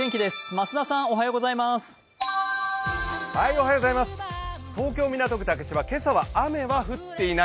増田さん、おはようございます。